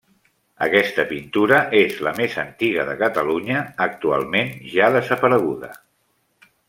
Aquesta pintura és la més antiga de Catalunya, actualment ja desapareguda.